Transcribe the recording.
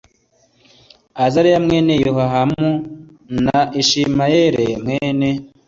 azariya mwene yehohamu na ishimayeli mwene